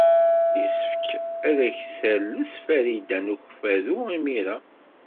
Yessefk ad ak-d-tales Farida n Ukeffadu imir-a.